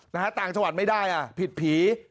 ต่างจังหวัดไม่ได้อ่ะผิดผี